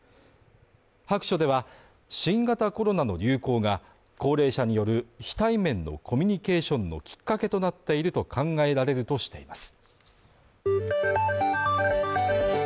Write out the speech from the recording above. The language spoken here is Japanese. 白書では、新型コロナの流行が高齢者による非対面のコミュニケーションのきっかけとなっていると考えられるとしています。